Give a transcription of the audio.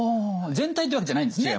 全体ってわけじゃないんですね。